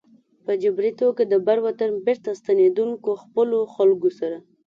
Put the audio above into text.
په جبري توګه د بر وطن بېرته ستنېدونکو خپلو خلکو سره.